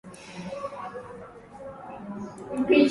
kuba juu ya kaburi la Mtume Muhamad lakini walishindwa